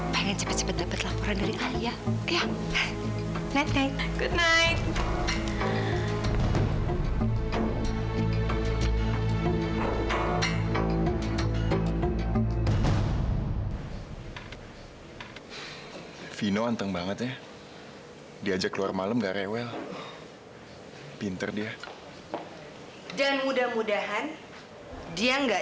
pengen cepet cepet dapet laporan dari alia